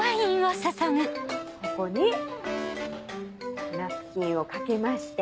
ここにナプキンを掛けまして。